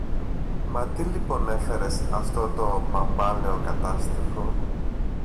Μα τι λοιπόν έφερες αυτό το παμπάλαιο Κατάστιχο